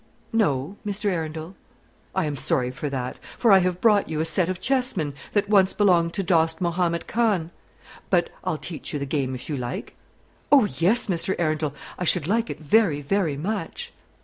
"No, Mr. Arundel." "I am sorry for that; for I have brought you a set of chessmen that once belonged to Dost Mahommed Khan. But I'll teach you the game, if you like?" "Oh, yes, Mr. Arundel; I should like it very, very much."